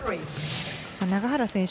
永原選手